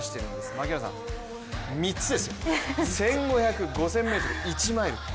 槙原さん、３つですよ、１５００ｍ、５０００ｍ、１マイルと。